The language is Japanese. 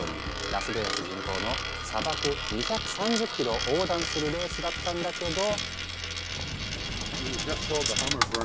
ラスベガス近郊の砂漠２３０ｋｍを横断するレースだったんだけど。